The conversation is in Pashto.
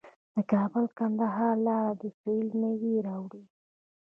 د کابل کندهار لاره د سویل میوې راوړي.